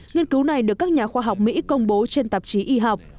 nghiên cứu này được các nhà khoa học mỹ công bố trên tạp chí y học